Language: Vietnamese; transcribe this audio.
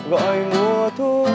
gọi mùa thu